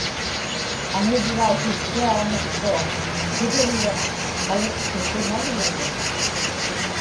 aŋivrautitchiaġniqsuaq, sivulliq qaliqtisimavlugu